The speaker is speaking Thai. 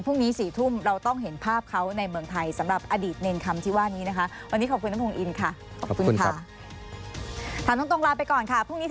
พรุ่งนี้๔ทุ่มเราต้องเห็นภาพเขาในเมืองไทย